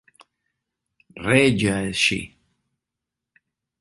Regiae Sci.